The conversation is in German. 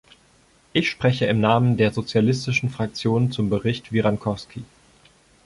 Ich spreche im Namen der Sozialistischen Fraktion zum Bericht Virrankoski.